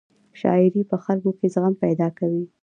شاعرۍ په خلکو کې زغم پیدا کاوه.